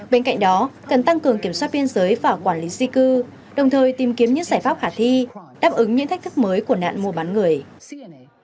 bên cạnh đó cần tăng cường kiểm soát biên giới và quản lý di cư đồng thời tìm kiếm những giải pháp khả thi đáp ứng những thách thức mới của nạn mua bán người